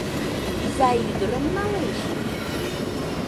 Изай ӱдырым налеш?